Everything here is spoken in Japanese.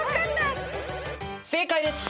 正解です！